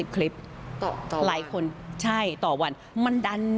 ๔๐๕๐คลิปหลายคนต่อวัน